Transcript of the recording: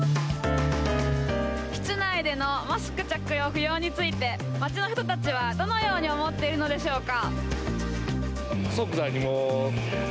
室内でのマスク着用不要について街の人たちは、どのように思っているのでしょうか。